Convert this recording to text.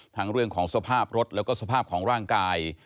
เรื่องของสภาพรถแล้วก็สภาพของร่างกาย